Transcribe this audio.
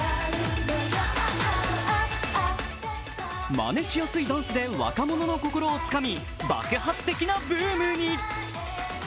まねしやすいダンスで若者の心をつかみ、爆発的なブームに。